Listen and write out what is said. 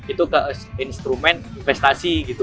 itu ke instrumen investasi gitu